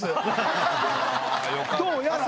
どうやら。